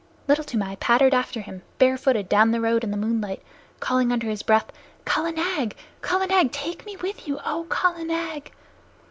Little Toomai pattered after him, barefooted, down the road in the moonlight, calling under his breath, "Kala Nag! Kala Nag! Take me with you, O Kala Nag!"